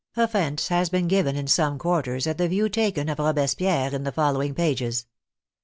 Offense has been given in some quarters at the view taken of Robespierre in the following pages.